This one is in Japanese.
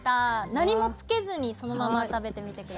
何もつけずにそのまま食べてみて下さい。